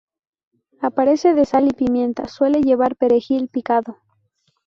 Aparte de sal y pimienta, suele llevar perejil picado.